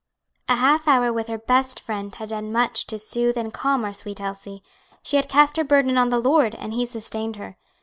A half hour with her best Friend had done much to soothe and calm our sweet Elsie; she had cast her burden on the Lord and He sustained her.